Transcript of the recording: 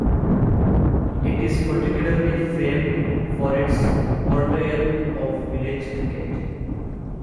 It is particularly famed for its portrayal of village cricket.